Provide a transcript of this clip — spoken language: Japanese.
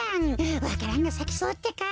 わか蘭がさきそうってか。